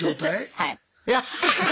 はい。